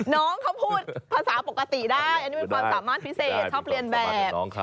น้องเขาพูดภาษาปกติได้อันนี้เป็นความสามารถพิเศษชอบเรียนแบบ